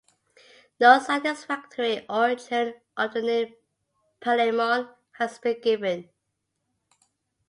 No satisfactory origin of the name Palaemon has been given.